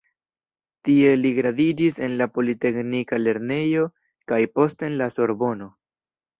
Tie li gradiĝis en la "Politeknika Lernejo" kaj poste en la Sorbono.